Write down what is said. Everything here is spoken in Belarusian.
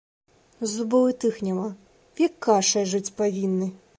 Зубоў і тых няма, век кашай жыць павінны.